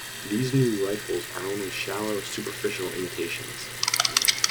These new rifles are only shallow, superficial imitations.